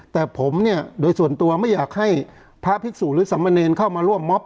แต่ผมเนี่ยโดยส่วนตัวไม่อยากให้พระภิกษุหรือสมเนรเข้ามาร่วมมอบ